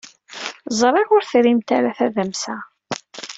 Ẓriɣ ur trimt ara tadamsa.